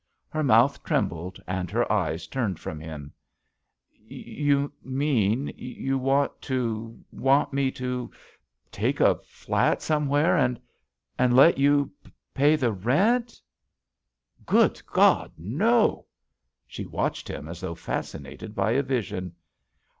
Her mouth trembled and her eyes turned from him. You mean — ^you want to — ^want me to take a flat somewhere and — let you — ^pay the rent?" '*Good God, no I" She watched him as though fascinated by a vision.